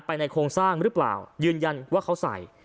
ในโครงสร้างหรือเปล่ายืนยันว่าเขาใส่